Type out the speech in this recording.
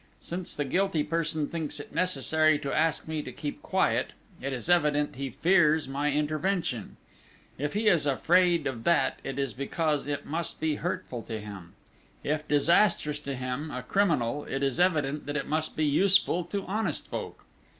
Since the guilty person thinks it necessary to ask me to keep quiet, it is evident he fears my intervention; if he is afraid of that it is because it must be hurtful to him; if disastrous to him, a criminal, it is evident that it must be useful to honest folk.